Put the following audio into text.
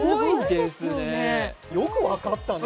よく分かったね。